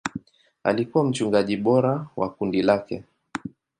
Alikuwa mchungaji bora wa kundi lake.